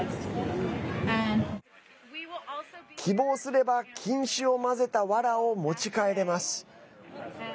希望すれば菌糸を混ぜたわらを持ち帰れます。